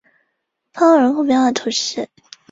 常用的药物有糖皮质激素和免疫抑制剂。